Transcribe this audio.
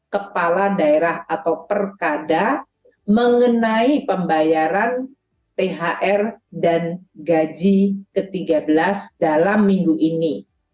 kepala daerah atau perkada mengenai pembayaran thr dan gaji ke tiga belas dalam minggu ini